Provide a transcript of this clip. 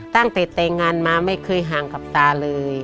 ตั้งแต่แต่งงานมาไม่เคยห่างกับตาเลย